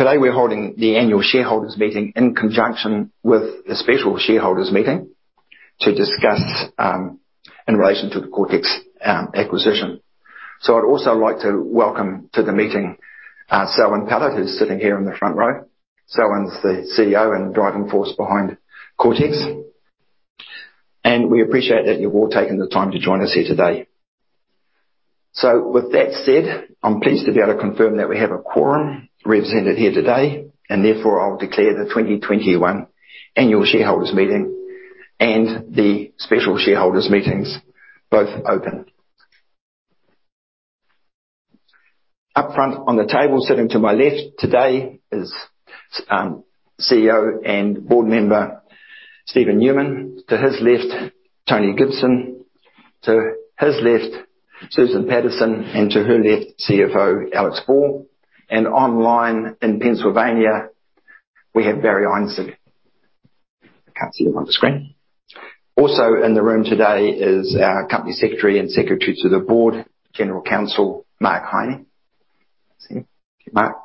Today we're holding the annual shareholders' meeting in conjunction with the special shareholders' meeting to discuss, in relation to the Coretex acquisition. I'd also like to welcome to the meeting Selwyn Pellett, who's sitting here in the front row. Selwyn's the CEO and driving force behind Coretex. We appreciate that you've all taken the time to join us here today. With that said, I'm pleased to be able to confirm that we have a quorum represented here today, and therefore I'll declare the 2021 annual shareholders' meeting and the special shareholders meetings both open. Up front on the table, sitting to my left today is CEO and Board Member Steven Newman. To his left, Tony Gibson. To his left, Susan Paterson, and to her left, CFO Alex Ball. Online in Pennsylvania, we have Barry Einsig. I can't see him on the screen. Also in the room today is our company secretary and secretary to the board, general counsel, Mark Heine. Thank you, Mark.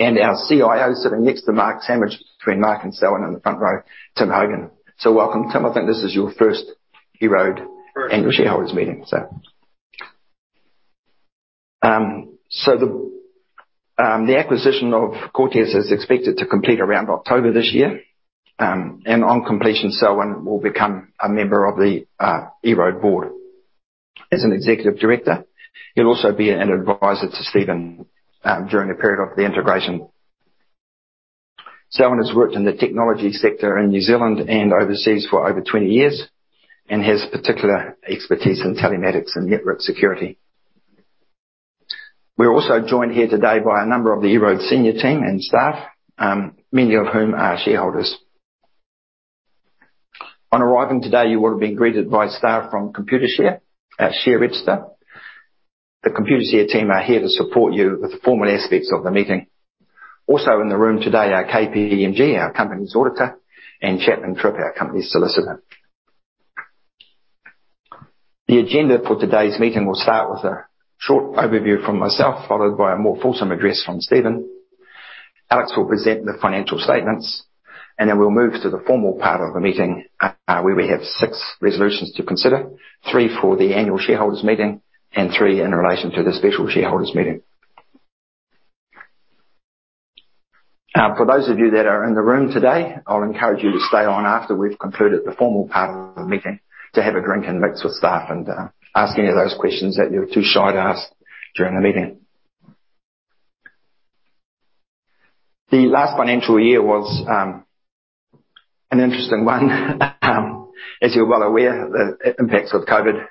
Our CIO sitting next to Mark, sandwiched between Mark and Selwyn in the front row, Tim Hogan. Welcome, Tim. I think this is your first EROAD annual shareholders meeting. First. The acquisition of Coretex is expected to complete around October this year. On completion, Selwyn will become a member of the EROAD board as an executive director. He'll also be an advisor to Steven during the period of the integration. Selwyn has worked in the technology sector in New Zealand and overseas for over 20 years, and has particular expertise in telematics and network security. We're also joined here today by a number of the EROAD senior team and staff, many of whom are shareholders. On arriving today, you would have been greeted by staff from Computershare, our share register. The Computershare team are here to support you with the formal aspects of the meeting. Also in the room today are KPMG, our company's auditor, and Chapman Tripp, our company solicitor. The agenda for today's meeting will start with a short overview from myself, followed by a more fulsome address from Steven. Alex will present the financial statements, and then we'll move to the formal part of the meeting, where we have six resolutions to consider, three for the annual shareholders' meeting and three in relation to the special shareholders' meeting. For those of you that are in the room today, I'll encourage you to stay on after we've concluded the formal part of the meeting to have a drink and mix with staff and ask any of those questions that you're too shy to ask during the meeting. The last financial year was an interesting one. As you're well aware, the impacts of COVID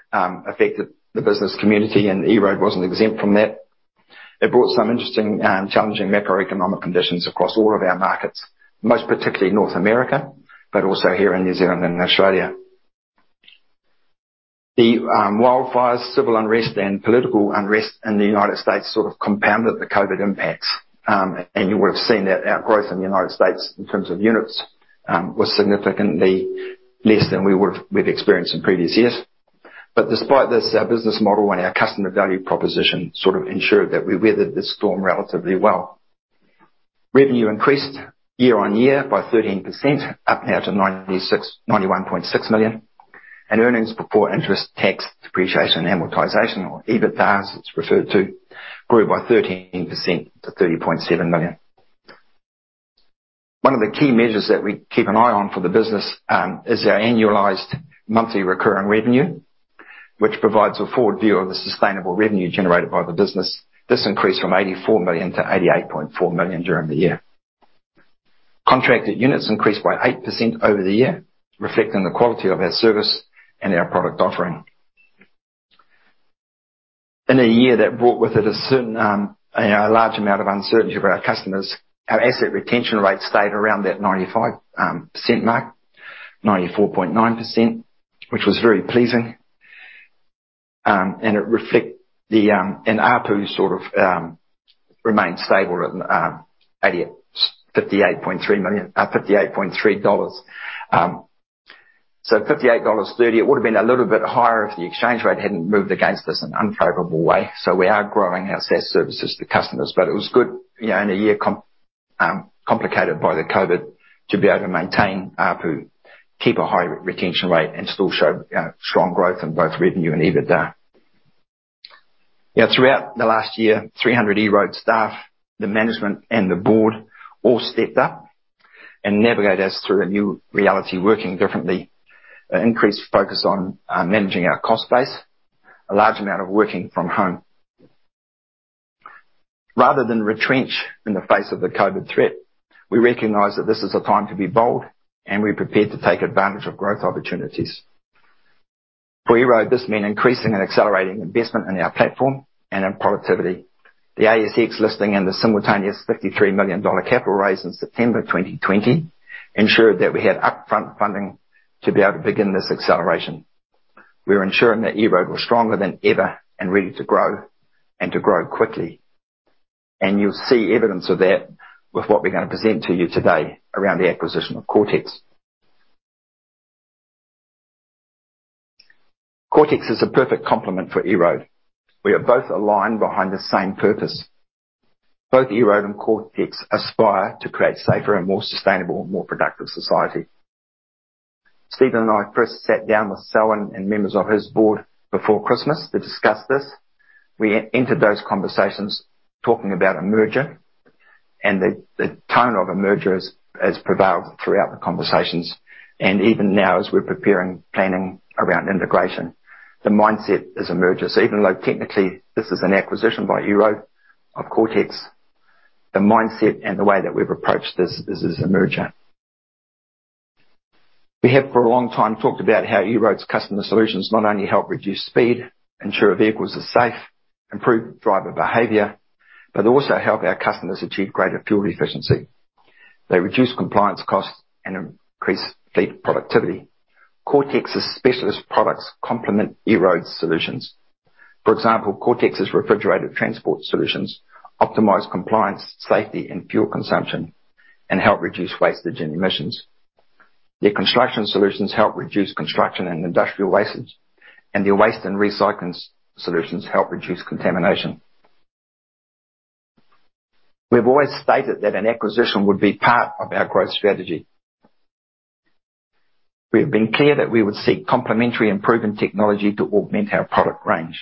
affected the business community, and EROAD wasn't exempt from that. It brought some interesting, challenging macroeconomic conditions across all of our markets, most particularly North America, but also here in New Zealand and Australia. The wildfires, civil unrest, and political unrest in the United States sort of compounded the COVID impacts. You would've seen that our growth in the United States in terms of units was significantly less than we've experienced in previous years. Despite this, our business model and our customer value proposition sort of ensured that we weathered this storm relatively well. Revenue increased year-over-year by 13%, up now to 91.6 million. Earnings before interest, tax, depreciation, and amortization, or EBITDA, as it's referred to, grew by 13% to 30.7 million. One of the key measures that we keep an eye on for the business is our annualized monthly recurring revenue, which provides a forward view of the sustainable revenue generated by the business. This increased from 84 million-88.4 million during the year. Contracted units increased by 8% over the year, reflecting the quality of our service and our product offering. In a year that brought with it a large amount of uncertainty for our customers, our asset retention rate stayed around that 95% mark, 94.9%, which was very pleasing. ARPU sort of remained stable at 58.30 dollars. It would've been a little bit higher if the exchange rate hadn't moved against us in an unfavorable way. We are growing our SaaS services to customers. It was good in a year complicated by the COVID, to be able to maintain ARPU, keep a high retention rate, and still show strong growth in both revenue and EBITDA. Throughout the last year, 300 EROAD staff, the management, and the board all stepped up and navigate us through a new reality, working differently. An increased focus on managing our cost base, a large amount of working from home. Rather than retrench in the face of the COVID threat, we recognized that this is a time to be bold and we're prepared to take advantage of growth opportunities. For EROAD, this meant increasing and accelerating investment in our platform and in productivity. The ASX listing and the simultaneous 53 million dollar capital raise in September 2020 ensured that we had upfront funding to be able to begin this acceleration. We were ensuring that EROAD was stronger than ever and ready to grow and to grow quickly. You'll see evidence of that with what we're going to present to you today around the acquisition of Coretex. Coretex is a perfect complement for EROAD. We are both aligned behind the same purpose. Both EROAD and Coretex aspire to create safer and more sustainable, and more productive society. Steven and I first sat down with Selwyn and members of his board before Christmas to discuss this. We entered those conversations talking about a merger, and the tone of a merger has prevailed throughout the conversations. Even now, as we're preparing planning around integration, the mindset is a merger. Even though technically this is an acquisition by EROAD of Coretex, the mindset and the way that we've approached this is as a merger. We have, for a long time, talked about how EROAD's customer solutions not only help reduce speed, ensure vehicles are safe, improve driver behavior, but also help our customers achieve greater fuel efficiency. They reduce compliance costs and increase fleet productivity. Coretex's specialist products complement EROAD's solutions. For example, Coretex's refrigerated transport solutions optimize compliance, safety, and fuel consumption, and help reduce wastage and emissions. Their construction solutions help reduce construction and industrial wastage, and their waste and recycling solutions help reduce contamination. We've always stated that an acquisition would be part of our growth strategy. We have been clear that we would seek complementary and proven technology to augment our product range.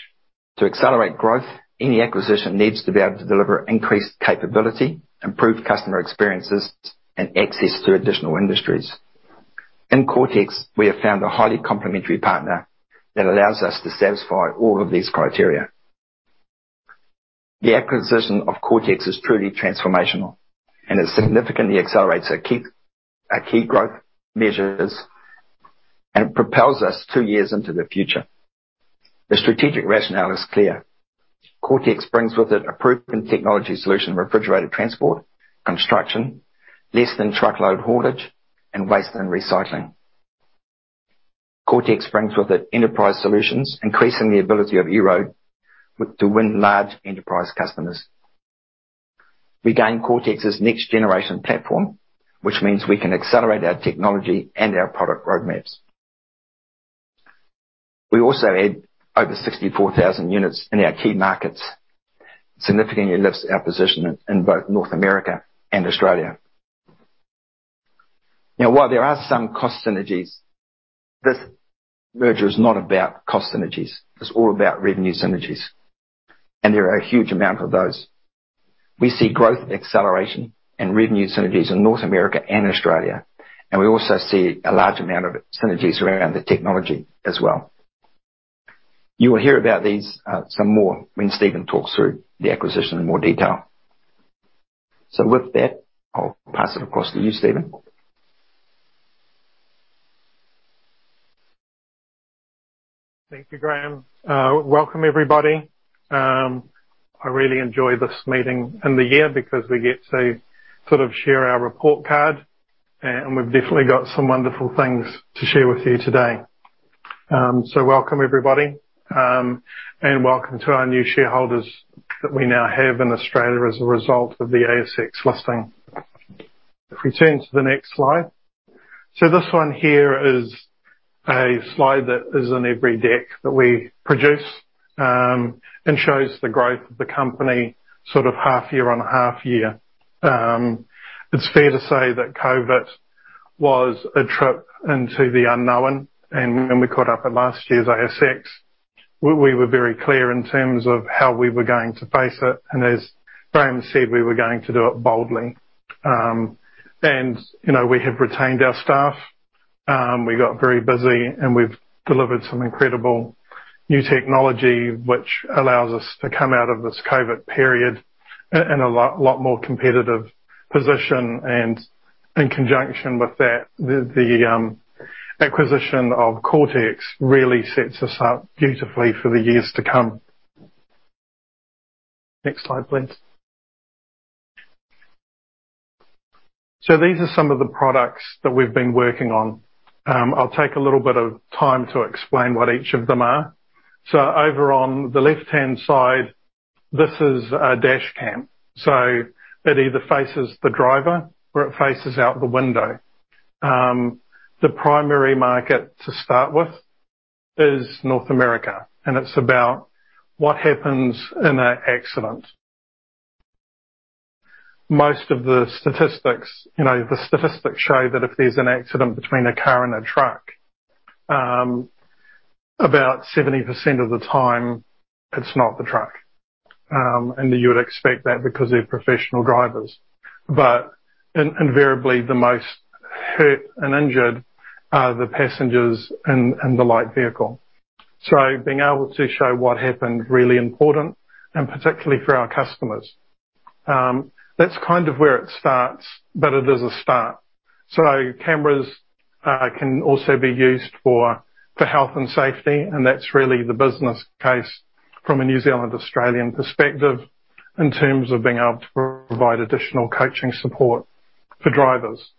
To accelerate growth, any acquisition needs to be able to deliver increased capability, improved customer experiences, and access to additional industries. In Coretex, we have found a highly complementary partner that allows us to satisfy all of these criteria. The acquisition of Coretex is truly transformational and it significantly accelerates our key growth measures, and propels us two years into the future. The strategic rationale is clear. Coretex brings with it a proven technology solution for refrigerated transport, construction, less than truckload haulage, and waste and recycling. Coretex brings with it enterprise solutions, increasing the ability of EROAD to win large enterprise customers. We gain Coretex's next generation platform, which means we can accelerate our technology and our product roadmaps. We also add over 64,000 units in our key markets, significantly lifts our position in both North America and Australia. While there are some cost synergies, this merger is not about cost synergies, it's all about revenue synergies, and there are a huge amount of those. We see growth acceleration and revenue synergies in North America and Australia, and we also see a large amount of synergies around the technology as well. You will hear about these some more when Steven talks through the acquisition in more detail. With that, I'll pass it across to you, Steven. Thank you, Graham. Welcome everybody. I really enjoy this meeting and the year because we get to share our report card, and we've definitely got some wonderful things to share with you today. Welcome everybody, and welcome to our new shareholders that we now have in Australia as a result of the ASX listing. If we turn to the next slide. This one here is a slide that is in every deck that we produce, and shows the growth of the company half year on half year. It's fair to say that COVID was a trip into the unknown, and when we caught up at last year's ASX, we were very clear in terms of how we were going to face it, and as Graham said, we were going to do it boldly. We have retained our staff. We got very busy, and we've delivered some incredible new technology which allows us to come out of this COVID period in a lot more competitive position. In conjunction with that, the acquisition of Coretex really sets us up beautifully for the years to come. Next slide, please. These are some of the products that we've been working on. I'll take a little bit of time to explain what each of them are. Over on the left-hand side, this is a dashcam, so it either faces the driver or it faces out the window. The primary market to start with is North America, and it's about what happens in an accident. Most of the statistics show that if there's an accident between a car and a truck, about 70% of the time it's not the truck. You would expect that because they're professional drivers. Invariably the most hurt and injured are the passengers in the light vehicle. Being able to show what happened, really important, and particularly for our customers. That's kind of where it starts, but it is a start. Cameras can also be used for health and safety, and that's really the business case from a New Zealand/Australian perspective in terms of being able to provide additional coaching support for drivers.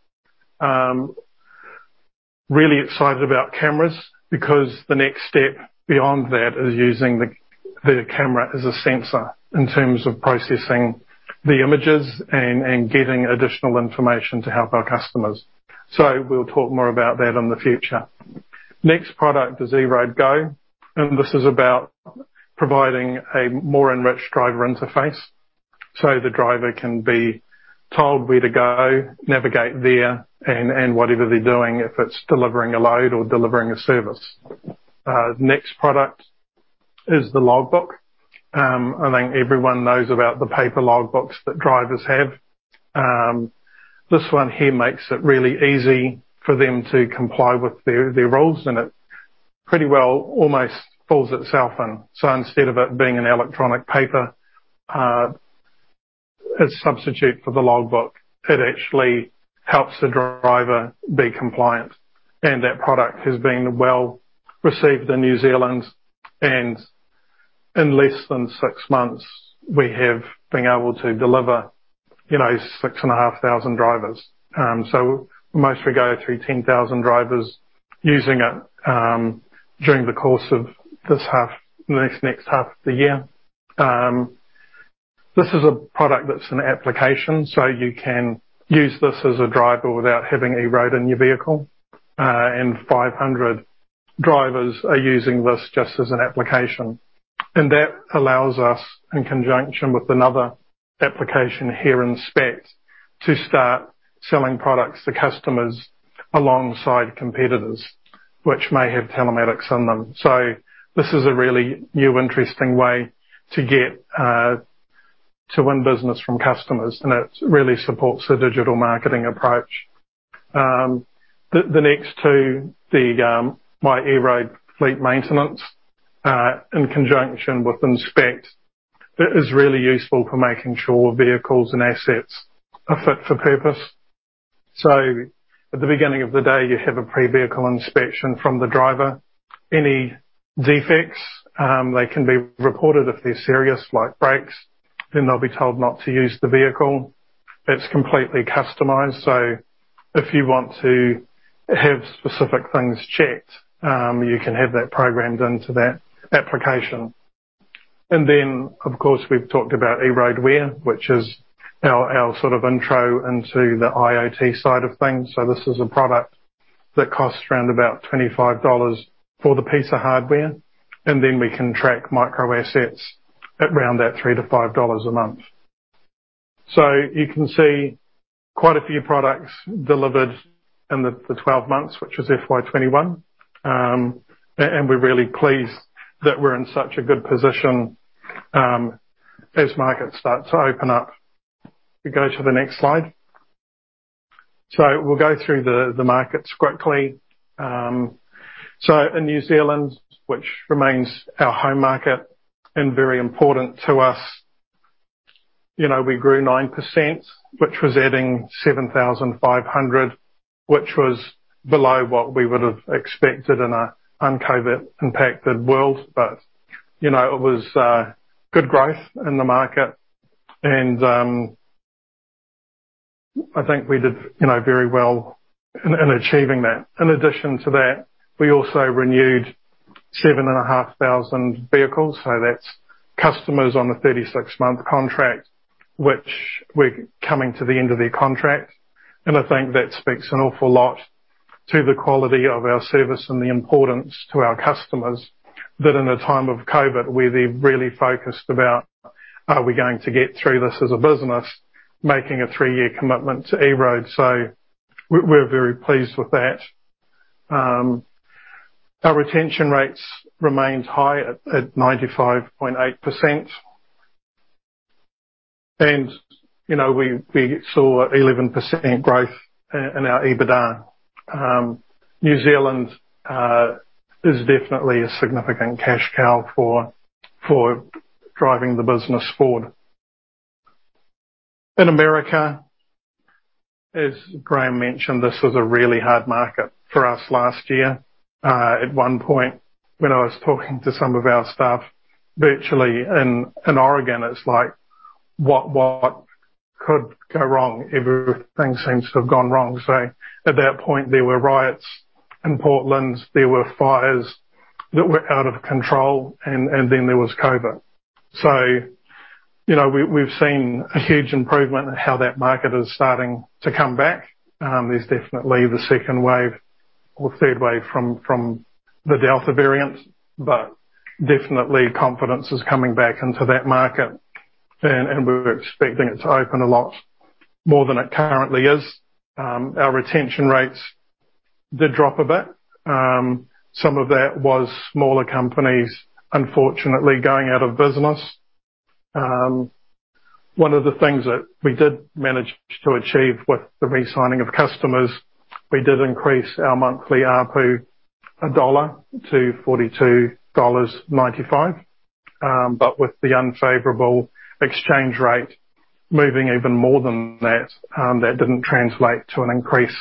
Really excited about cameras because the next step beyond that is using the camera as a sensor in terms of processing the images and getting additional information to help our customers. We'll talk more about that in the future. Next product is EROAD Go, and this is about providing a more enriched driver interface, so the driver can be told where to go, navigate there, and whatever they're doing, if it's delivering a load or delivering a service. Next product is the logbook. I think everyone knows about the paper logbooks that drivers have. This one here makes it really easy for them to comply with their rules, and it pretty well almost fills itself in. Instead of it being an electronic paper, it's substitute for the logbook. It actually helps the driver be compliant. That product has been well received in New Zealand. In less than six months, we have been able to deliver 6,500 drivers. We mostly go through 10,000 drivers using it during the course of this half and this next half of the year. This is a product that's an application, you can use this as a driver without having EROAD in your vehicle. 500 drivers are using this just as an application. That allows us, in conjunction with another application here, EROAD Inspect, to start selling products to customers alongside competitors, which may have telematics in them. This is a really new, interesting way to get to win business from customers, and it really supports a digital marketing approach. The next two, the MyEROAD Fleet Maintenance, in conjunction with EROAD Inspect, it is really useful for making sure vehicles and assets are fit for purpose. At the beginning of the day, you have a pre-vehicle inspection from the driver. Any defects, they can be reported if they're serious, like brakes, then they'll be told not to use the vehicle. It's completely customized, so if you want to have specific things checked, you can have that programmed into that application. Then, of course, we've talked about EROAD Where, which is our intro into the IoT side of things. This is a product that costs around about 25 dollars for the piece of hardware, and then we can track micro assets at around that 3-5 dollars a month. You can see quite a few products delivered in the 12 months, which was FY 2021. We're really pleased that we're in such a good position as markets start to open up. We go to the next slide. We'll go through the markets quickly. In New Zealand, which remains our home market and very important to us, we grew 9%, which was adding 7,500, which was below what we would have expected in an un-COVID-impacted world. It was good growth in the market, and I think we did very well in achieving that. In addition to that, we also renewed 7,500 vehicles. That's customers on a 36-month contract, which were coming to the end of their contract. I think that speaks an awful lot to the quality of our service and the importance to our customers that in a time of COVID, where they're really focused about, are we going to get through this as a business, making a three-year commitment to EROAD. We're very pleased with that. Our retention rates remained high at 95.8%. We saw 11% growth in our EBITDA. New Zealand is definitely a significant cash cow for driving the business forward. In America, as Graham mentioned, this was a really hard market for us last year. At one point, when I was talking to some of our staff virtually in Oregon, it's like, what could go wrong? Everything seems to have gone wrong. At that point, there were riots in Portland, there were fires that were out of control, and then there was COVID. We've seen a huge improvement in how that market is starting to come back. There's definitely the second wave or third wave from the Delta variant, but definitely confidence is coming back into that market, and we're expecting it to open a lot more than it currently is. Our retention rates did drop a bit. Some of that was smaller companies, unfortunately, going out of business. One of the things that we did manage to achieve with the resigning of customers, we did increase our monthly ARPU $1-$42.95. With the unfavorable exchange rate moving even more than that didn't translate to an increase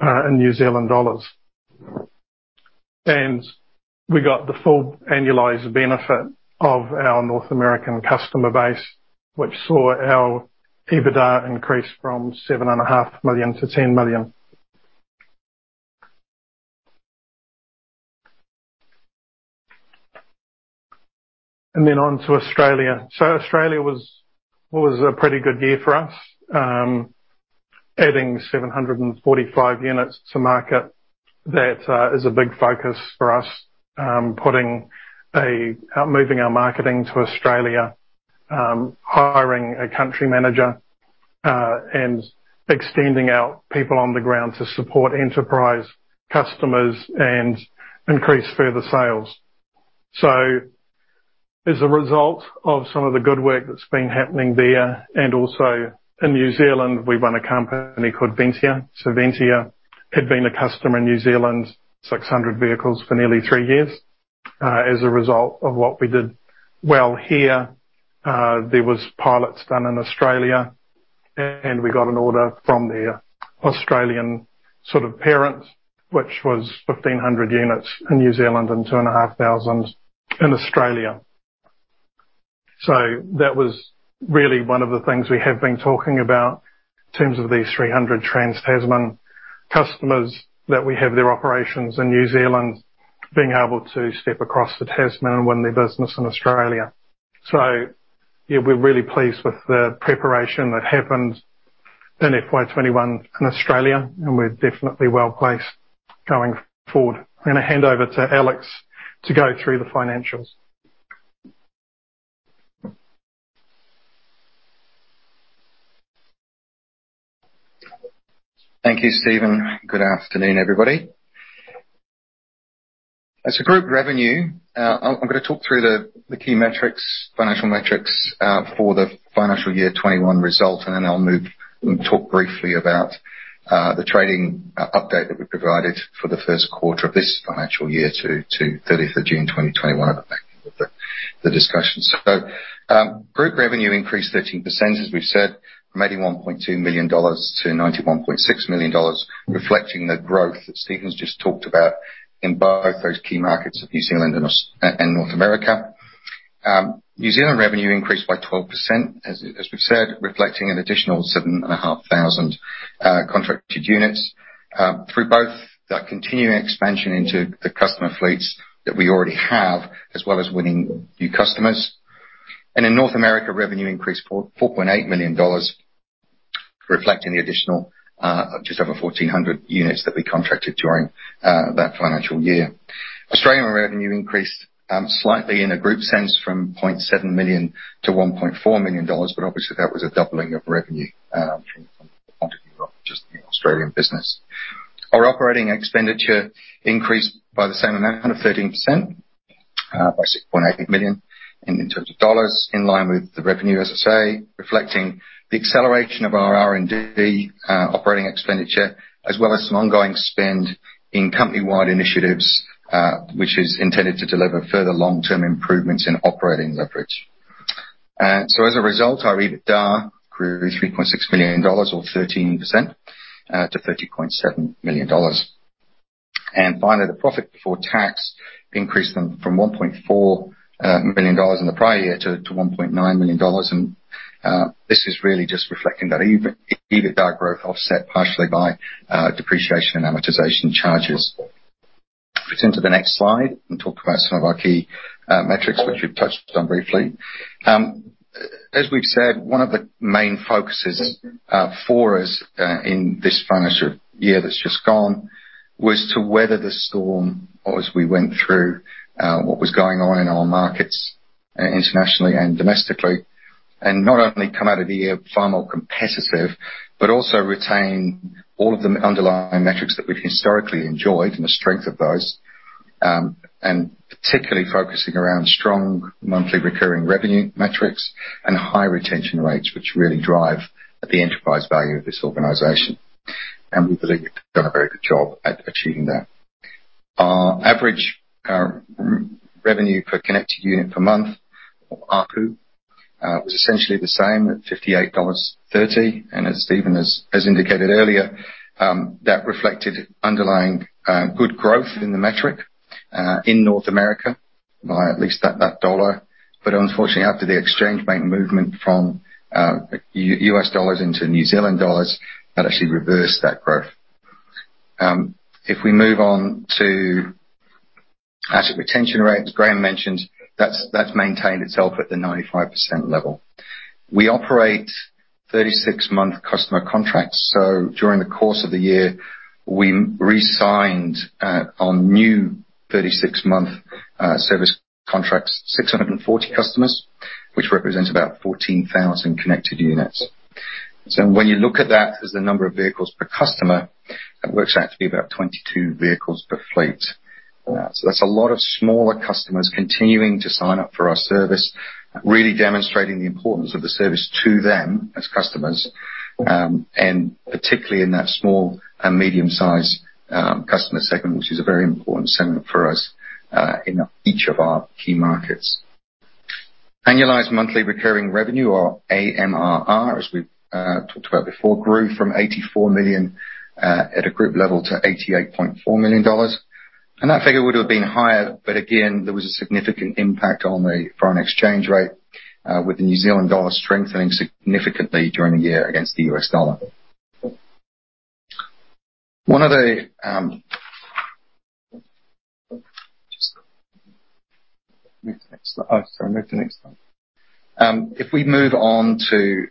in New Zealand dollars. We got the full annualized benefit of our North American customer base, which saw our EBITDA increase from NZD 7.5 million-NZD 10 million. On to Australia. Australia was a pretty good year for us, adding 745 units to market. That is a big focus for us, moving our marketing to Australia, hiring a country manager, and extending our people on the ground to support enterprise customers and increase further sales. As a result of some of the good work that's been happening there, and also in New Zealand, we run a company called Ventia. Ventia had been a customer in New Zealand, 600 vehicles for nearly three years. As a result of what we did well here, there was pilots done in Australia, and we got an order from their Australian sort of parent, which was 1,500 units in New Zealand and 2,500 in Australia. That was really one of the things we have been talking about in terms of these 300 Trans-Tasman customers that we have their operations in New Zealand, being able to step across the Tasman and win their business in Australia. Yeah, we're really pleased with the preparation that happened in FY 2021 in Australia, and we're definitely well-placed going forward. I'm going to hand over to Alex to go through the financials. Thank you, Steven. Good afternoon, everybody. As a group revenue, I'm going to talk through the key metrics, financial metrics for the financial year 2021 results, then I'll move and talk briefly about the trading update that we provided for the first quarter of this financial year to June, 2021 at the back end of the discussion. Group revenue increased 13%, as we've said, from 81.2 million-91.6 million dollars, reflecting the growth that Steven's just talked about in both those key markets of New Zealand and North America. New Zealand revenue increased by 12%, as we've said, reflecting an additional 7,500 contracted units through both the continuing expansion into the customer fleets that we already have, as well as winning new customers. In North America, revenue increased 4.8 million dollars, reflecting the additional just over 1,400 units that we contracted during that financial year. Australian revenue increased slightly in a group sense from 0.7 million-1.4 million dollars. Obviously, that was a doubling of revenue from a quantity of just the Australian business. Our operating expenditure increased by the same amount of 13%, by 6.8 million. In terms of dollars, in line with the revenue, as I say, reflecting the acceleration of our R&D operating expenditure, as well as some ongoing spend in company-wide initiatives, which is intended to deliver further long-term improvements in operating leverage. As a result, our EBITDA grew 3.6 million dollars, or 13%, to 30.7 million dollars. Finally, the profit before tax increased from 1.4 million dollars in the prior year to 1.9 million dollars. This is really just reflecting that EBITDA growth offset partially by depreciation and amortization charges. If we turn to the next slide and talk about some of our key metrics, which we've touched on briefly. As we've said, one of the main focuses for us in this financial year that's just gone was to weather the storm as we went through what was going on in our markets, internationally and domestically. Not only come out of the year far more competitive, but also retain all of the underlying metrics that we've historically enjoyed and the strength of those, and particularly focusing around strong monthly recurring revenue metrics and high retention rates, which really drive the enterprise value of this organization. We believe we've done a very good job at achieving that. Our average revenue per connected unit per month, or ARPU, was essentially the same at 58.30 dollars. As Steven Newman has indicated earlier, that reflected underlying good growth in the metric, in North America, by at least that $1. Unfortunately, after the exchange rate movement from USD into NZD, that actually reversed that growth. If we move on to asset retention rates, Graham Stuart mentioned, that's maintained itself at the 95% level. We operate 36-month customer contracts, so during the course of the year, we re-signed on new 36-month service contracts, 640 customers, which represents about 14,000 connected units. When you look at that as the number of vehicles per customer, that works out to be about 22 vehicles per fleet. That's a lot of smaller customers continuing to sign up for our service, really demonstrating the importance of the service to them as customers, and particularly in that small and medium-sized customer segment, which is a very important segment for us, in each of our key markets. Annualized monthly recurring revenue or AMRR, as we've talked about before, grew from 84 million at a group level to 88.4 million dollars. That figure would have been higher, but again, there was a significant impact on the foreign exchange rate, with the New Zealand dollar strengthening significantly during the year against the US dollar. Just move to the next slide. Oh, sorry, move to the next slide. If we move on to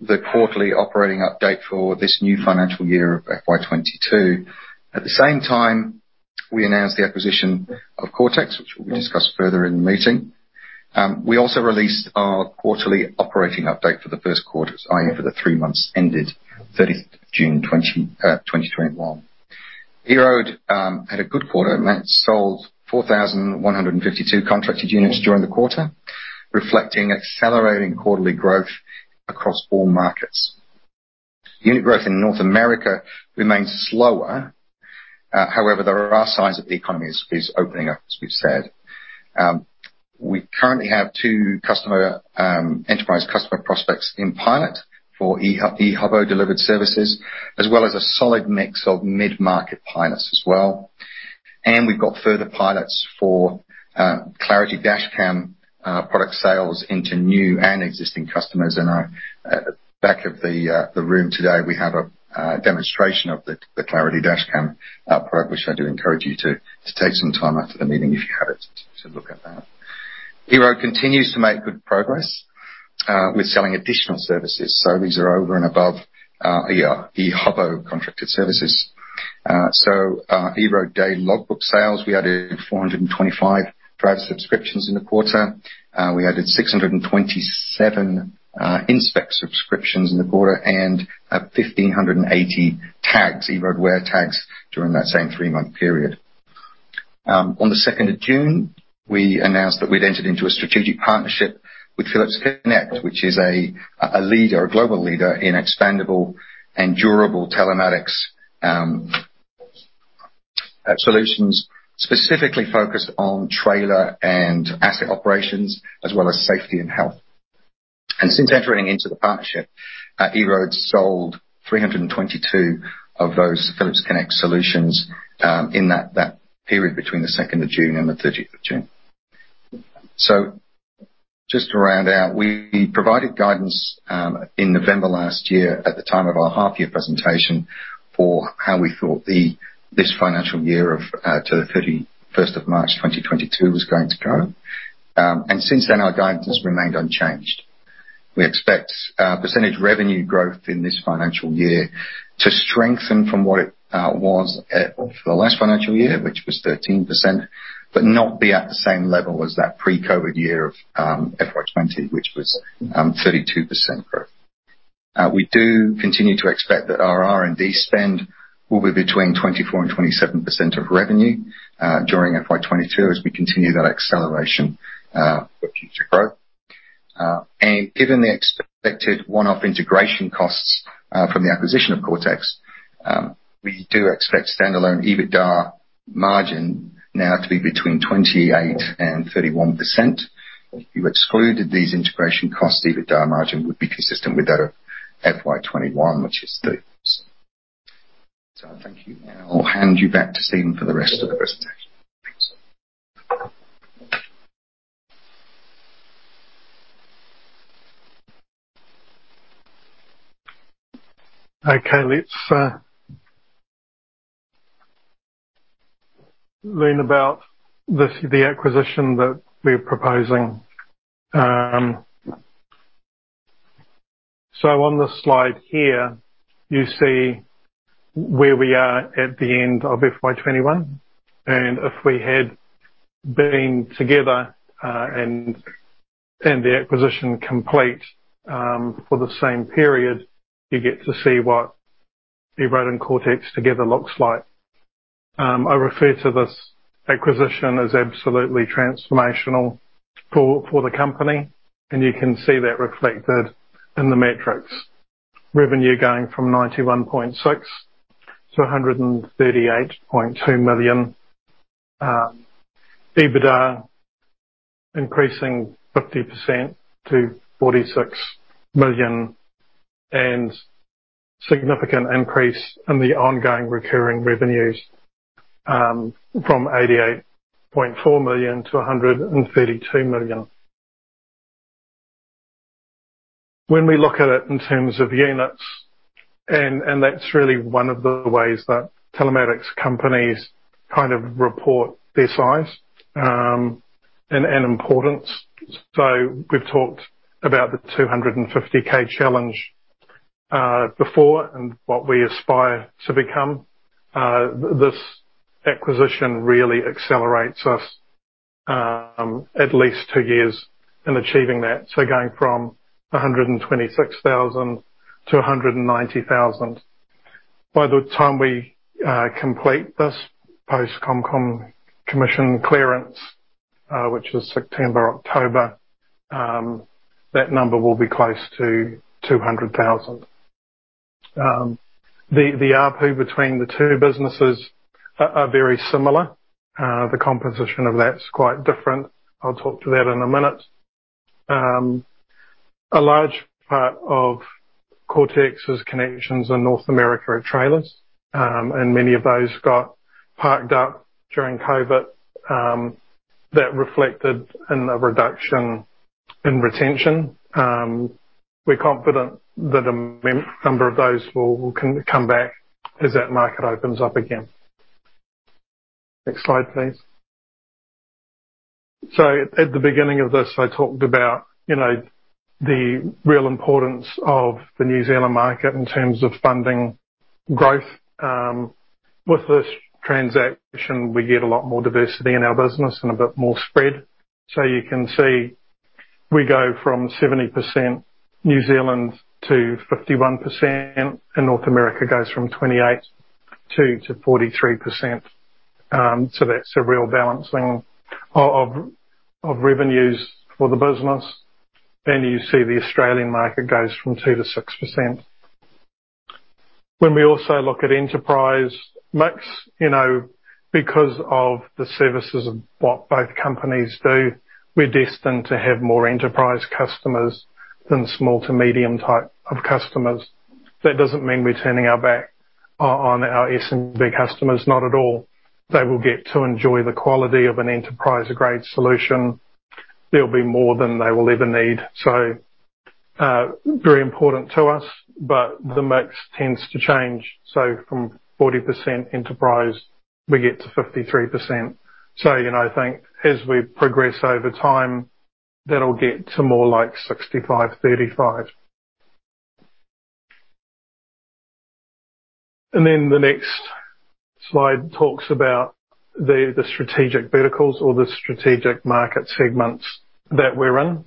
the quarterly operating update for this new financial year of FY 2022. At the same time, we announced the acquisition of Coretex, which will be discussed further in the meeting. We also released our quarterly operating update for the first quarter, that's i.e. for the three months ended 30th June 2021. EROAD had a good quarter, net sold 4,152 contracted units during the quarter, reflecting accelerating quarterly growth across all markets. Unit growth in North America remains slower. However, there are signs that the economy is opening up, as we've said. We currently have two enterprise customer prospects in pilot for Ehubo delivered services, as well as a solid mix of mid-market pilots as well. We've got further pilots for Clarity Dashcam product sales into new and existing customers. In our back of the room today, we have a demonstration of the EROAD Clarity Dashcam product, which I do encourage you to take some time after the meeting if you haven't, to look at that. EROAD continues to make good progress with selling additional services. These are over and above the Ehubo contracted services. EROAD Day Logbook sales, we added 425 driver subscriptions in the quarter. We added 627 EROAD Inspect subscriptions in the quarter, and 1,580 tags, EROAD Where tags, during that same three-month period. On the 2nd of June, we announced that we'd entered into a strategic partnership with Phillips Connect, which is a global leader in expandable and durable telematics solutions, specifically focused on trailer and asset operations as well as safety and health. Since entering into the partnership, EROAD sold 322 of those Phillips Connect solutions in that period between the 2nd of June and the 30th of June. Just to round out, we provided guidance in November last year at the time of our half year presentation for how we thought this financial year to the 31st of March 2022 was going to go. Since then, our guidance remained unchanged. We expect percentage revenue growth in this financial year to strengthen from what it was for the last financial year, which was 13%, but not be at the same level as that pre-COVID year of FY 2020, which was 32% growth. We do continue to expect that our R&D spend will be between 24% and 27% of revenue during FY 2022 as we continue that acceleration for future growth. Given the expected one-off integration costs from the acquisition of Coretex, we do expect standalone EBITDA margin now to be between 28% and 31%. If you excluded these integration costs, EBITDA margin would be consistent with that of FY21, which is 30%. Thank you. I'll hand you back to Steven for the rest of the presentation. Thanks. Let's learn about the acquisition that we're proposing. On this slide here, you see where we are at the end of FY21, and if we had been together, and the acquisition complete for the same period, you get to see what EROAD and Coretex together looks like. I refer to this acquisition as absolutely transformational for the company, and you can see that reflected in the metrics. Revenue going from 91.6 million-138.2 million. EBITDA increasing 50% to 46 million, and significant increase in the ongoing recurring revenues from NZD 88.4 million-NZD 132 million. When we look at it in terms of units, and that's really one of the ways that telematics companies kind of report their size and importance. We've talked about the 250K challenge before and what we aspire to become. This acquisition really accelerates us at least two years in achieving that. Going from 126,000-190,000. By the time we complete this post ComCom clearance, which is September, October, that number will be close to 200,000. The ARPU between the two businesses are very similar. The composition of that's quite different. I'll talk to that in a minute. A large part of Coretex's connections in North America are trailers. Many of those got parked up during COVID. That reflected in the reduction in retention. We're confident that a number of those will come back as that market opens up again. Next slide, please. At the beginning of this, I talked about the real importance of the New Zealand market in terms of funding growth. With this transaction, we get a lot more diversity in our business and a bit more spread. You can see we go from 70% New Zealand to 51%, and North America goes from 28%-43%. That's a real balancing of revenues for the business. You see the Australian market goes from 2%-6%. When we also look at enterprise mix, because of the services of what both companies do, we're destined to have more enterprise customers than small to medium type of customers. That doesn't mean we're turning our back on our SMB customers. Not at all. They will get to enjoy the quality of an enterprise-grade solution. There'll be more than they will ever need. Very important to us, but the mix tends to change. From 40% enterprise, we get to 53%. I think as we progress over time, that'll get to more like 65:35. The next slide talks about the strategic verticals or the strategic market segments that we're in.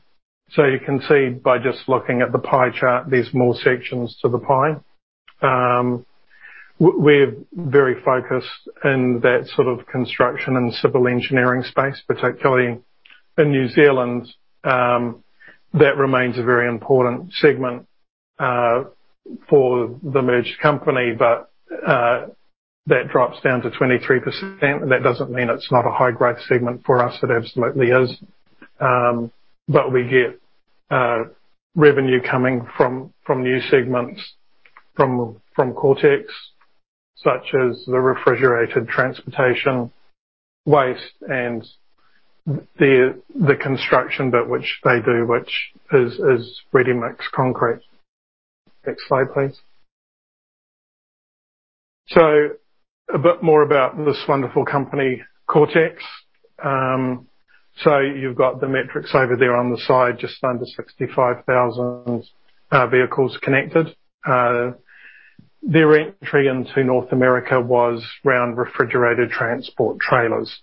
You can see by just looking at the pie chart, there's more sections to the pie. We're very focused in that sort of construction and civil engineering space, particularly in New Zealand. That remains a very important segment for the merged company, but that drops down to 23%, and that doesn't mean it's not a high growth segment for us. It absolutely is. We get revenue coming from new segments, from Coretex, such as the refrigerated transportation waste and the construction bit which they do, which is ready-mix concrete. Next slide, please. A bit more about this wonderful company, Coretex. You've got the metrics over there on the side, just under 65,000 vehicles connected. Their entry into North America was around refrigerated transport trailers.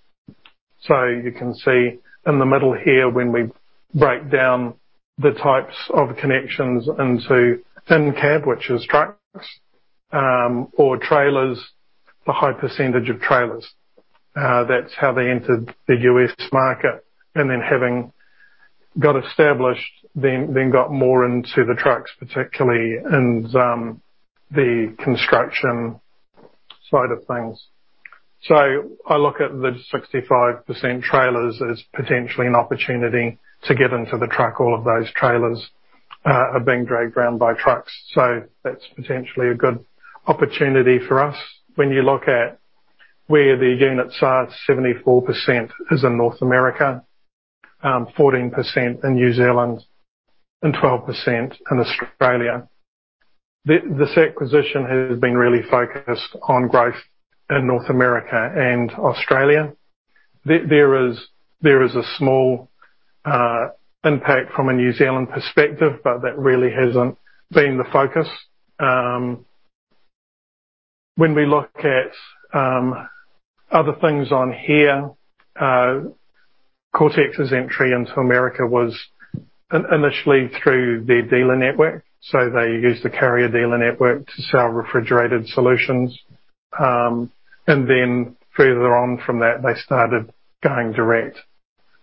You can see in the middle here, when we break down the types of connections into in-cab, which is trucks, or trailers, the high percentage of trailers. That's how they entered the U.S. market. Having got established, then got more into the trucks, particularly in the construction side of things. I look at the 65% trailers as potentially an opportunity to get into the truck. All of those trailers are being dragged around by trucks, so that's potentially a good opportunity for us. When you look at where the units are, 74% is in North America, 14% in New Zealand, and 12% in Australia. This acquisition has been really focused on growth in North America and Australia. There is a small impact from a New Zealand perspective, but that really hasn't been the focus. When we look at other things on here, Coretex's entry into the U.S. was initially through their dealer network. They used the carrier dealer network to sell refrigerated solutions. Further on from that, they started going direct.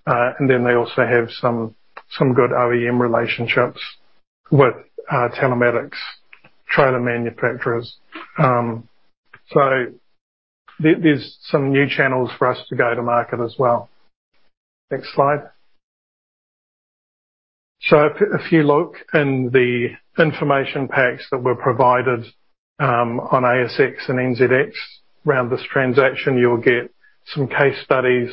They also have some good OEM relationships with telematics trailer manufacturers. There's some new channels for us to go to market as well. Next slide. If you look in the information packs that were provided on ASX and NZX around this transaction, you'll get some case studies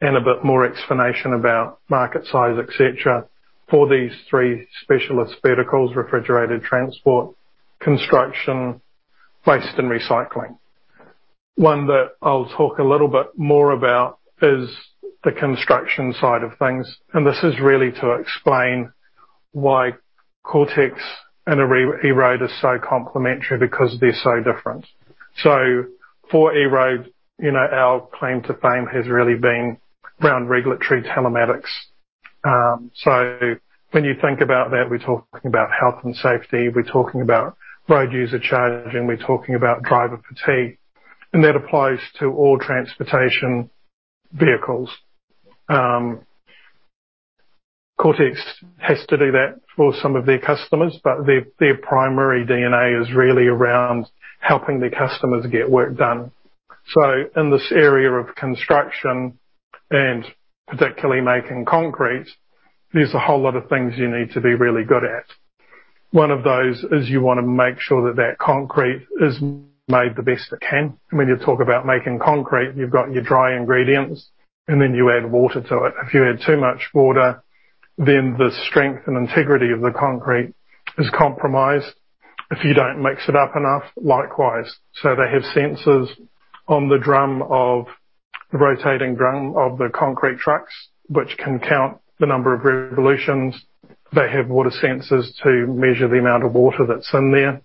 and a bit more explanation about market size, et cetera, for these three specialist verticals, refrigerated transport, construction, waste and recycling. One that I'll talk a little bit more about is the construction side of things, and this is really to explain why Coretex and EROAD are so complementary because they're so different. For EROAD, our claim to fame has really been around regulatory telematics. When you think about that, we're talking about health and safety, we're talking about road user charging, we're talking about driver fatigue, and that applies to all transportation vehicles. Coretex has to do that for some of their customers, but their primary DNA is really around helping their customers get work done. In this area of construction, and particularly making concrete, there's a whole lot of things you need to be really good at. One of those is you want to make sure that that concrete is made the best it can. When you talk about making concrete, you've got your dry ingredients, and then you add water to it. If you add too much water, then the strength and integrity of the concrete is compromised. If you don't mix it up enough, likewise. They have sensors on the rotating drum of the concrete trucks, which can count the number of revolutions. They have water sensors to measure the amount of water that's in there.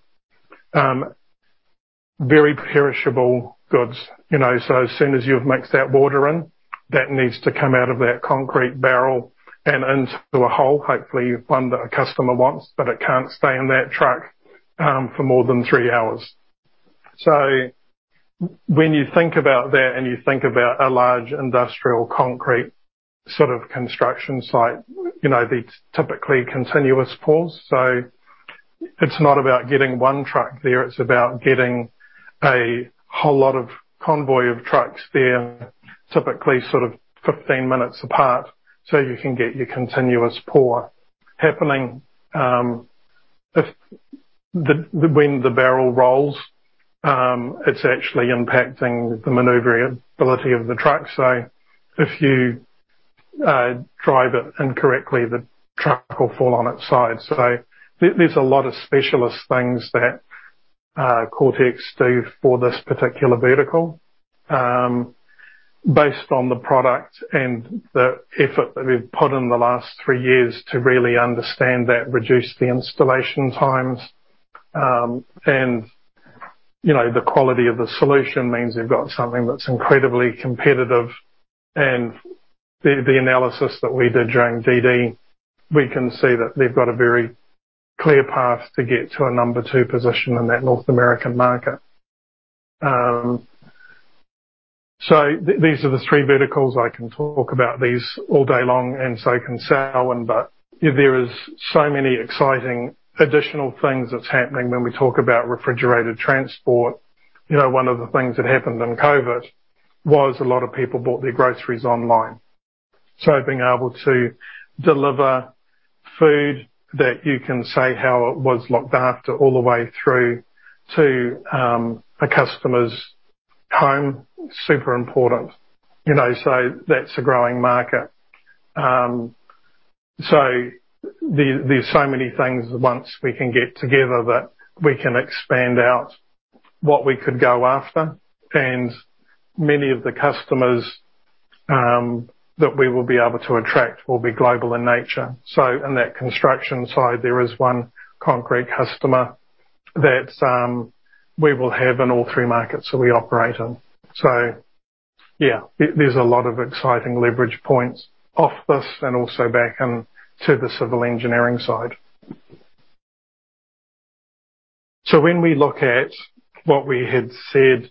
Very perishable goods. As soon as you've mixed that water in, that needs to come out of that concrete barrel and into a hole, hopefully one that a customer wants, but it can't stay in that truck for more than three hours. When you think about that and you think about a large industrial concrete sort of construction site, the typically continuous pours. It's not about getting one truck there, it's about getting a whole lot of convoy of trucks there, typically sort of 15 minutes apart, so you can get your continuous pour happening. When the barrel rolls, it's actually impacting the maneuverability of the truck. If you drive it incorrectly, the truck will fall on its side. There's a lot of specialist things that Coretex do for this particular vertical. Based on the product and the effort that we've put in the last three years to really understand that, reduce the installation times. The quality of the solution means they've got something that's incredibly competitive. The analysis that we did during DD, we can see that they've got a very clear path to get to a number two position in that North American market. These are the three verticals. I can talk about these all day long, and so can Selwyn, but there is so many exciting additional things that's happening when we talk about refrigerated transport. One of the things that happened in COVID was a lot of people bought their groceries online. Being able to deliver food that you can say how it was looked after all the way through to a customer's home, super important. That's a growing market. There's so many things once we can get together that we can expand out what we could go after. Many of the customers that we will be able to attract will be global in nature. In that construction side, there is one concrete customer that we will have in all three markets that we operate in. Yeah, there's a lot of exciting leverage points off this and also back into the civil engineering side. When we look at what we had said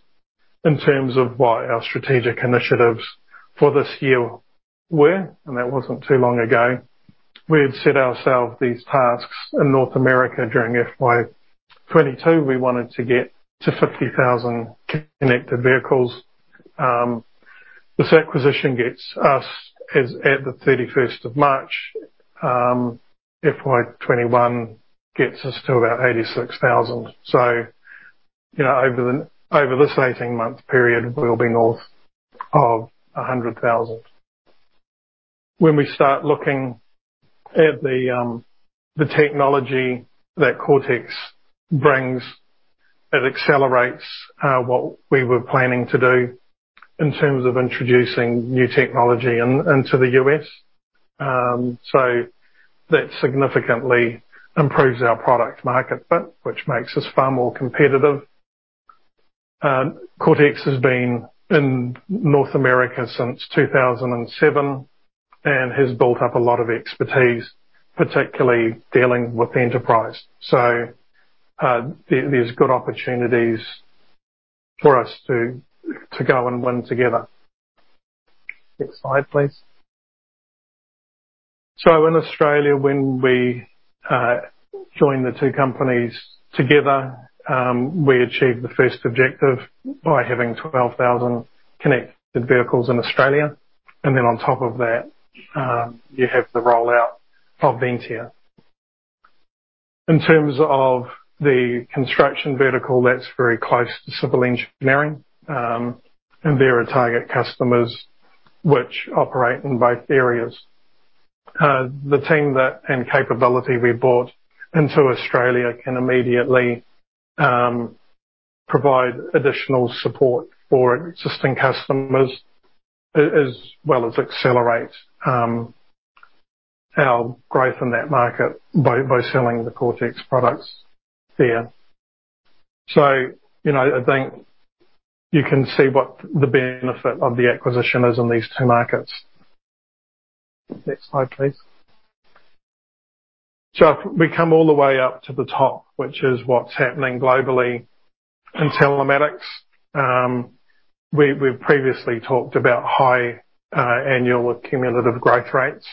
in terms of what our strategic initiatives for this year were, and that wasn't too long ago. We had set ourselves these tasks in North America during FY 2022. We wanted to get to 50,000 connected vehicles. This acquisition gets us, as at the 31st of March, FY 2021 gets us to about 86,000. Over this 18-month period, we will be north of 100,000. When we start looking at the technology that Coretex brings, it accelerates what we were planning to do in terms of introducing new technology into the U.S. That significantly improves our product market fit, which makes us far more competitive. Coretex has been in North America since 2007 and has built up a lot of expertise, particularly dealing with enterprise. There's good opportunities for us to go and win together. Next slide, please. In Australia, when we joined the two companies together, we achieved the first objective by having 12,000 connected vehicles in Australia. On top of that, you have the rollout of Ventia. In terms of the construction vertical, that's very close to civil engineering, and they are target customers which operate in both areas. The team and capability we bought into Australia can immediately provide additional support for existing customers as well as accelerate our growth in that market by selling the Coretex products there. I think you can see what the benefit of the acquisition is in these two markets. Next slide, please. We come all the way up to the top, which is what's happening globally in telematics. We previously talked about high annual cumulative growth rates.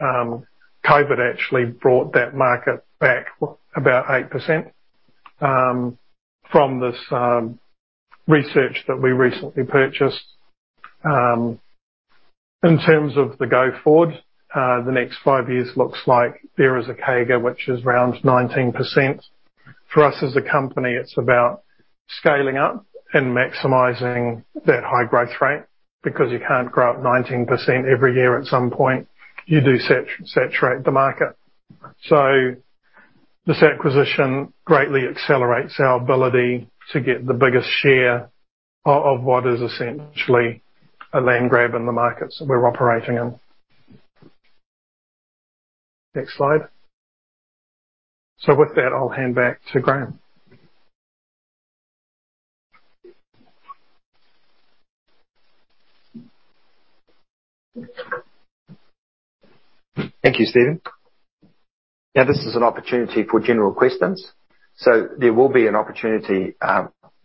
COVID actually brought that market back about 8%. From this research that we recently purchased. In terms of the go forward, the next five years looks like there is a CAGR, which is around 19%. For us as a company, it's about scaling up and maximizing that high growth rate, because you can't grow at 19% every year. At some point, you do saturate the market. This acquisition greatly accelerates our ability to get the biggest share of what is essentially a land grab in the markets that we're operating in. Next slide. With that, I'll hand back to Graham. Thank you, Steven. Now, this is an opportunity for general questions. There will be an opportunity,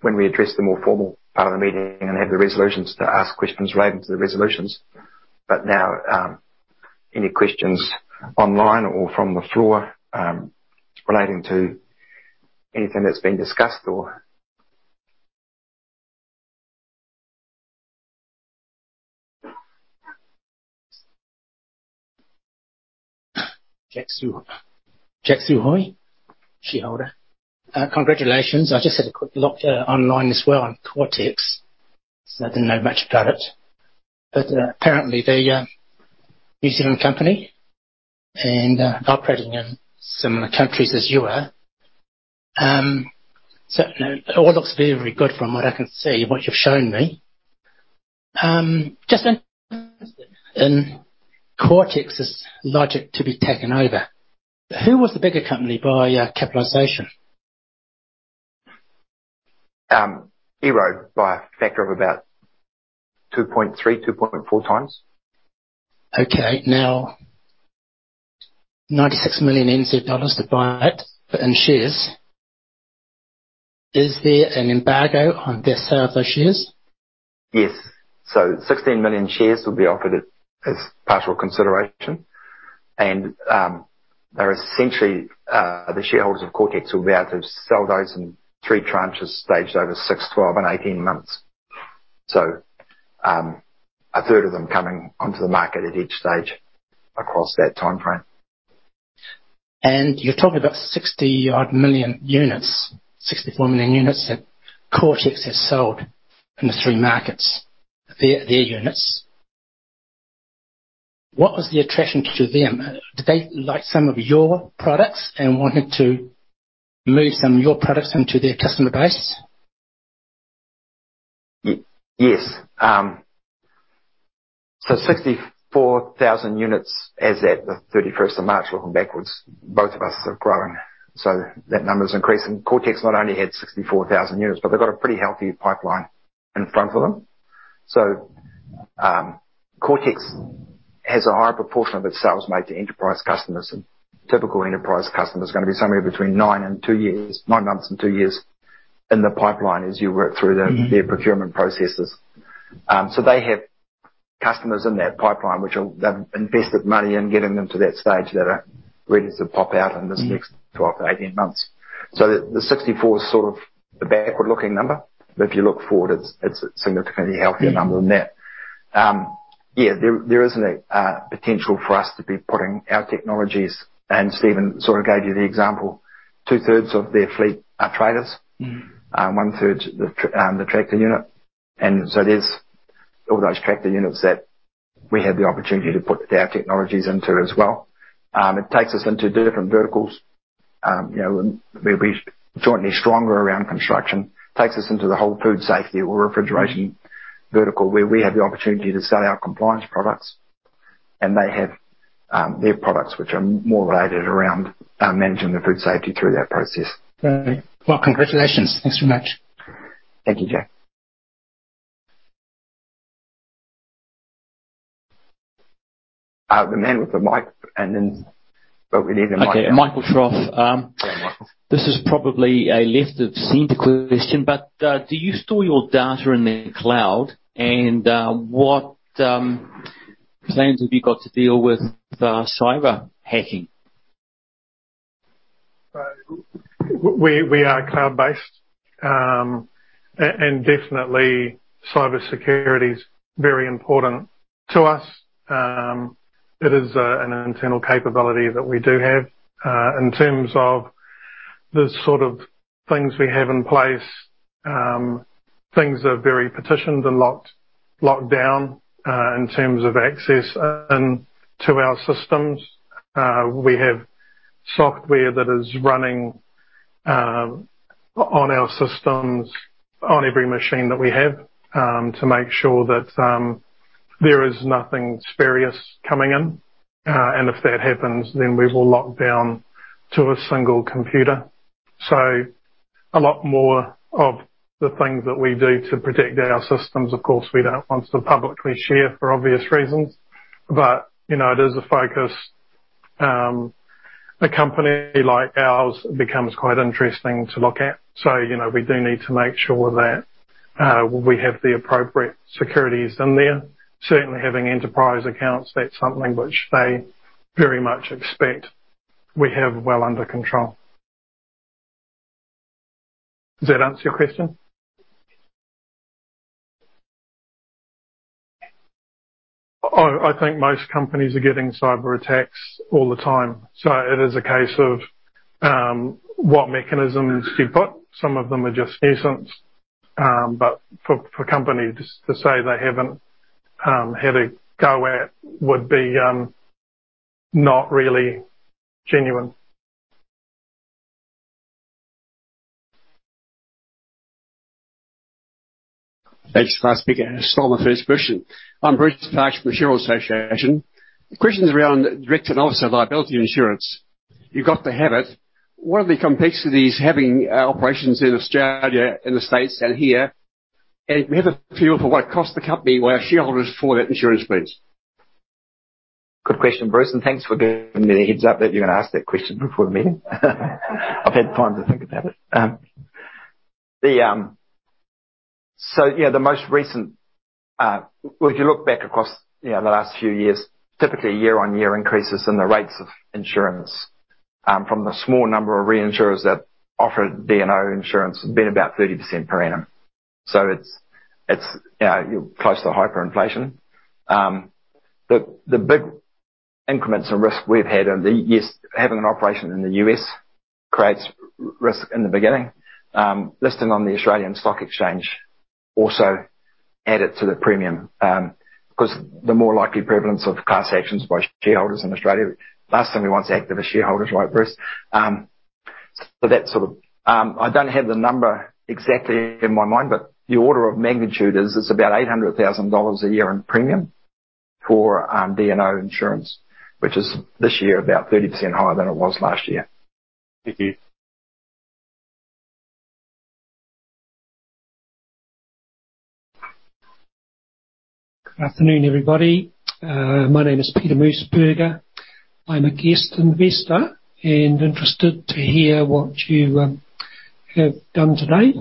when we address the more formal part of the meeting and have the resolutions, to ask questions relating to the resolutions. Now, any questions online or from the floor, relating to anything that's been discussed or Jack Suhui, shareholder. Congratulations. I just had a quick look online as well on Coretex since I didn't know much about it. Apparently, they're a New Zealand company, and operating in similar countries as you are. It all looks very good from what I can see and what you've shown me. In Coretex's logic to be taken over, who was the bigger company by capitalization? EROAD by a factor of about 2.3, 2.4x. Okay. Now, 96 million NZ dollars to buy it in shares. Is there an embargo on their sale of those shares? Yes. 16 million shares will be offered as partial consideration. They're essentially, the shareholders of Coretex will be able to sell those in 3 tranches staged over 6, 12, and 18 months. A third of them coming onto the market at each stage across that timeframe. You're talking about 60 odd million units, 64 million units that Coretex has sold in the three markets. Their units. What was the attraction to them? Did they like some of your products and wanted to move some of your products into their customer base? Yes. 64,000 units as at the 31st of March looking backwards. Both of us are growing. That number's increasing. Coretex not only had 64,000 units, but they've got a pretty healthy pipeline in front of them. Coretex has a higher proportion of its sales made to enterprise customers. A typical enterprise customer is going to be somewhere between nine months and two years in the pipeline as you work through. procurement processes. They have customers in that pipeline, which they've invested money in getting them to that stage that are ready to pop out in this next 12-18 months. The 64 is sort of a backward-looking number. If you look forward, it's a significantly healthier number than that. There is a potential for us to be putting our technologies, and Steven sort of gave you the example. Two-thirds of their fleet are trailers. One-third, the tractor unit. There's all those tractor units that we have the opportunity to put our technologies into as well. It takes us into different verticals. We'll be jointly stronger around construction. Takes us into the whole food safety or refrigeration vertical, where we have the opportunity to sell our compliance products, and they have their products which are more related around managing the food safety through that process. Right. Well, congratulations. Thanks very much. Thank you, Jack. The man with the mic. We need a mic there. Okay. Michael Trott. Yeah, Michael. This is probably a left-of-center question, but, do you store your data in the cloud? What plans have you got to deal with cyber hacking? We are cloud-based. Definitely cybersecurity is very important to us. It is an internal capability that we do have. In terms of the sort of things we have in place, things are very petitioned and locked down, in terms of access into our systems. We have software that is running on our systems on every machine that we have, to make sure that there is nothing spurious coming in. If that happens, then we will lock down to a single computer. A lot more of the things that we do to protect our systems, of course, we don't want to publicly share for obvious reasons. It is a focus. A company like ours becomes quite interesting to look at, so we do need to make sure that we have the appropriate securities in there. Certainly having enterprise accounts, that's something which they very much expect we have well under control. Does that answer your question? I think most companies are getting cyber attacks all the time. It is a case of what mechanisms you put. Some of them are just nuisance. For companies to say they haven't had a go at would be not really genuine. Thanks for speaking. I stole my first question. I'm Bruce Clark from the Shareholders' Association. The question is around director and officer liability insurance. You've got to have it. What are the complexities having operations in Australia, in the U.S., and here? May I have a feel for what it costs the company, where shareholders for that insurance please? Good question, Bruce. Thanks for giving me a heads up that you're going to ask that question before the meeting. I've had time to think about it. If you look back across the last few years, typically year-on-year increases in the rates of insurance from the small number of reinsurers that offer D&O insurance has been about 30% per annum. It's close to hyperinflation. The big increments and risk we've had. Yes, having an operation in the U.S. creates risk in the beginning. Listing on the Australian Stock Exchange also added to the premium, because the more likely prevalence of class actions by shareholders in Australia. Last thing we want is activist shareholders, right, Bruce? I don't have the number exactly in my mind, but the order of magnitude is, it's about 800,000 dollars a year in premium for D&O insurance, which is this year about 30% higher than it was last year. Thank you. Good afternoon, everybody. My name is Peter Moosburger. I'm a guest investor and interested to hear what you have done today.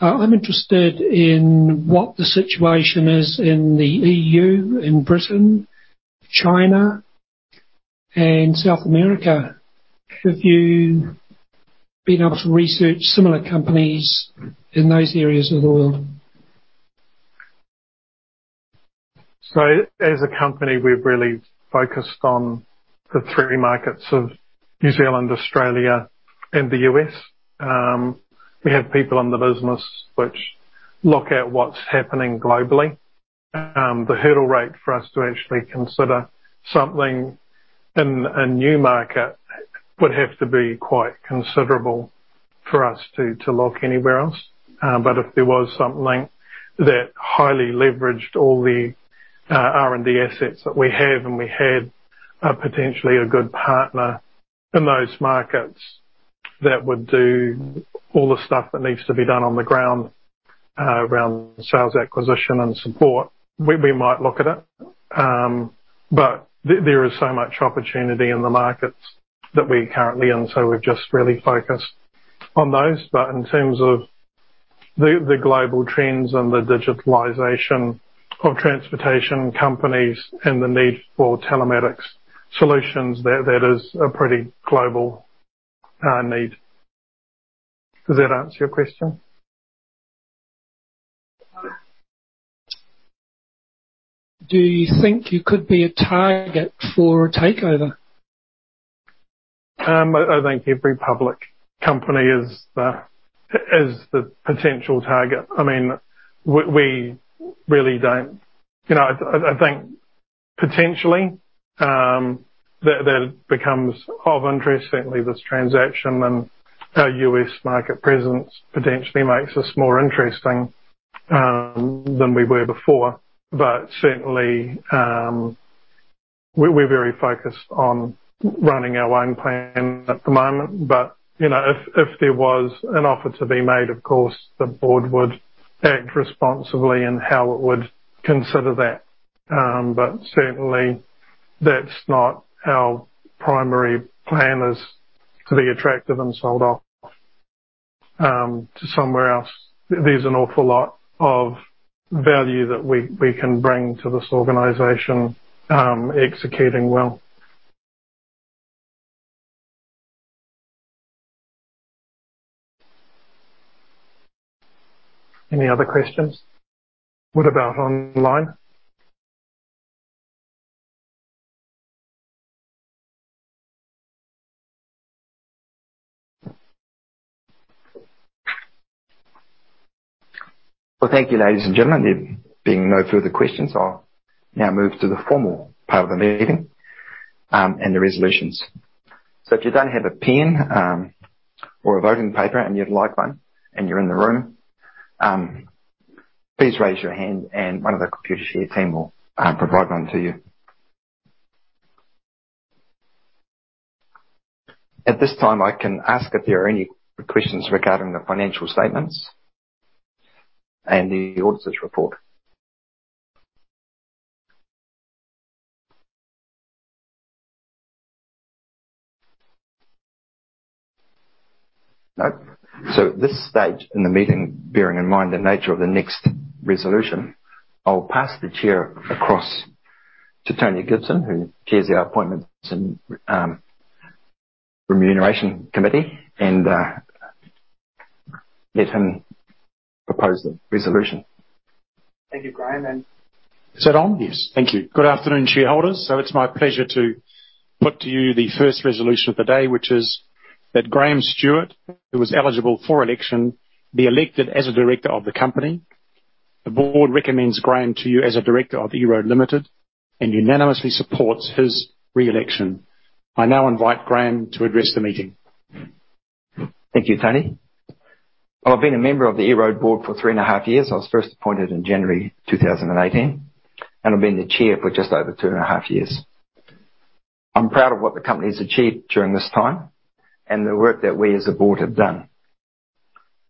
I'm interested in what the situation is in the EU, in Britain, China, and South America. Have you been able to research similar companies in those areas at all? As a company, we've really focused on the three markets of New Zealand, Australia, and the U.S. We have people in the business which look at what's happening globally. The hurdle rate for us to actually consider something in a new market would have to be quite considerable for us to look anywhere else. If there was something that highly leveraged all the R&D assets that we have, and we had potentially a good partner in those markets that would do all the stuff that needs to be done on the ground around sales acquisition and support, we might look at it. There is so much opportunity in the markets that we're currently in, we're just really focused on those. In terms of the global trends and the digitalization of transportation companies and the need for telematics solutions, that is a pretty global need. Does that answer your question? Do you think you could be a target for a takeover? I think every public company is the potential target. I think potentially, that becomes of interest. Certainly, this transaction and our U.S. market presence potentially makes us more interesting than we were before. Certainly, we're very focused on running our own plan at the moment. If there was an offer to be made, of course, the board would act responsibly in how it would consider that. Certainly, that's not our primary plan, is to be attractive and sold off to somewhere else. There's an awful lot of value that we can bring to this organization, executing well. Any other questions? What about online? Well, thank you, ladies and gentlemen. There being no further questions, I'll now move to the formal part of the meeting, and the resolutions. If you don't have a pen or a voting paper and you'd like one and you're in the room, please raise your hand and one of the Computershare team will provide one to you. At this time, I can ask if there are any questions regarding the financial statements and the auditor's report. No. At this stage in the meeting, bearing in mind the nature of the next resolution, I'll pass the chair across to Tony Gibson, who chairs our Appointments and Remuneration Committee, and let him propose the resolution. Thank you, Graham. Is that on? Yes. Thank you. Good afternoon, shareholders. It's my pleasure to put to you the first resolution of the day, which is that Graham Stuart, who is eligible for election, be elected as a director of the company. The Board recommends Graham to you as a director of EROAD Limited and unanimously supports his re-election. I now invite Graham to address the meeting. Thank you, Tony. I've been a member of the EROAD board for 3.5 years. I was first appointed in January 2018, and I've been the chair for just over 2.5 years. I'm proud of what the company's achieved during this time and the work that we as a board have done.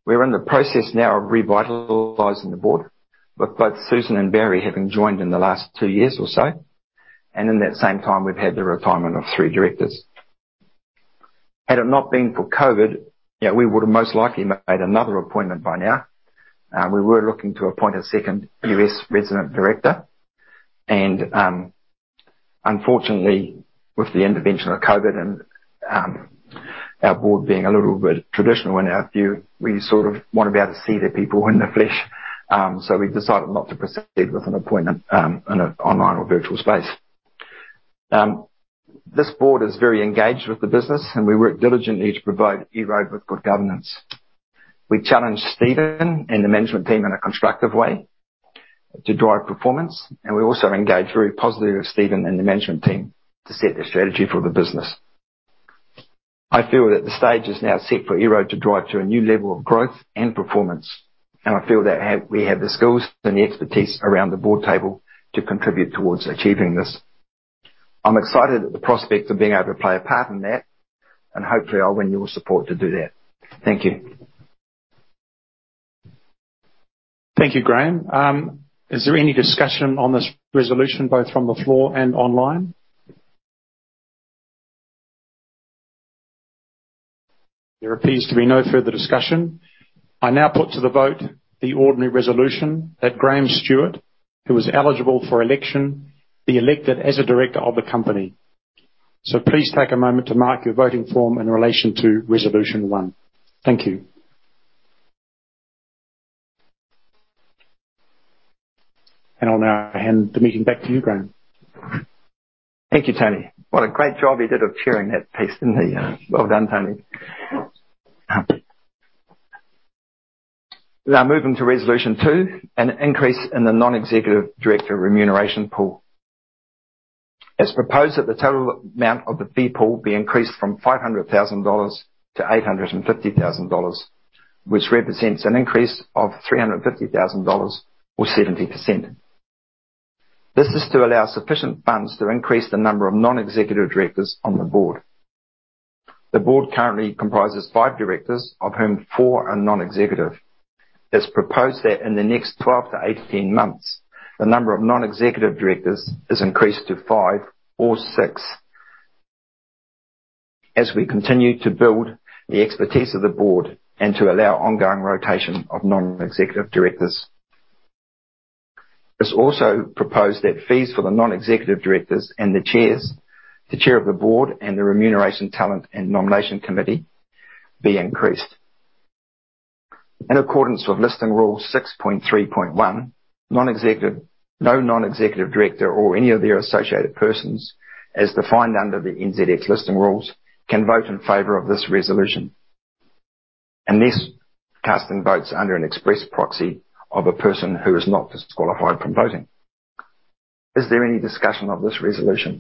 We're in the process now of revitalizing the board with both Susan and Barry Einsig having joined in the last two years or so. In that same time, we've had the retirement of three directors. Had it not been for COVID, we would've most likely made another appointment by now. We were looking to appoint a second U.S. resident director. Unfortunately, with the intervention of COVID and our board being a little bit traditional in our view, we sort of want to be able to see the people in the flesh. We've decided not to proceed with an appointment in an online or virtual space. This board is very engaged with the business, and we work diligently to provide EROAD with good governance. We challenge Steven and the management team in a constructive way to drive performance, and we also engage very positively with Steven and the management team to set their strategy for the business. I feel that the stage is now set for EROAD to drive to a new level of growth and performance, and I feel that we have the skills and the expertise around the board table to contribute towards achieving this. I'm excited at the prospect of being able to play a part in that, and hopefully, I'll win your support to do that. Thank you. Thank you, Graham. Is there any discussion on this resolution, both from the floor and online? There appears to be no further discussion. I now put to the vote the ordinary resolution that Graham Stuart, who is eligible for election, be elected as a director of the company. Please take a moment to mark your voting form in relation to resolution one. Thank you. I'll now hand the meeting back to you, Graham. Thank you, Tony. What a great job he did of chairing that piece, didn't he? Well done, Tony. We're now moving to resolution two, an increase in the non-executive director remuneration pool. It's proposed that the total amount of the fee pool be increased from 500,000-850,000 dollars, which represents an increase of 350,000 dollars or 70%. This is to allow sufficient funds to increase the number of non-executive directors on the Board. The Board currently comprises five directors, of whom 4 are non-executive. It's proposed that in the next 12-18 months, the number of non-executive directors is increased to five or six, as we continue to build the expertise of the Board and to allow ongoing rotation of non-executive directors. It's also proposed that fees for the non-executive directors and the chairs, the chair of the board, and the Remuneration, Talent and Nomination Committee, be increased. In accordance with Listing Rule 6.3.1, no non-executive director or any of their associated persons, as defined under the NZX Listing Rules, can vote in favor of this resolution, unless casting votes under an express proxy of a person who is not disqualified from voting. Is there any discussion of this resolution?